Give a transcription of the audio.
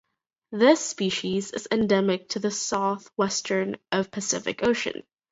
This species is endemic to the south western Pacific Ocean.